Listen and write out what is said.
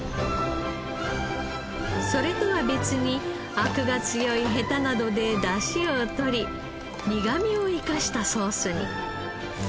それとは別にアクが強いヘタなどでだしをとり苦みを生かしたソースに。